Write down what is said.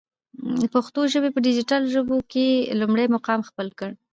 پښتو ژبی په ډيجيټل ژبو کی لمړی مقام خپل کړ.